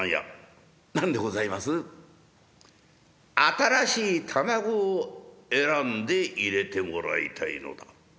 「新しい玉子を選んで入れてもらいたいのだ」。